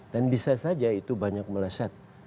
dan bisa saja itu banyak meleset